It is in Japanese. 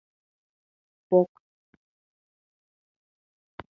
ぼく